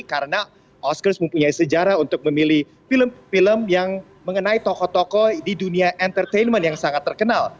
karena oscars mempunyai sejarah untuk memilih film film yang mengenai tokoh tokoh di dunia entertainment yang sangat terkenal